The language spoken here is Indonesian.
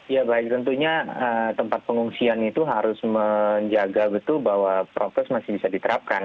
ya baik tentunya tempat pengungsian itu harus menjaga betul bahwa prokes masih bisa diterapkan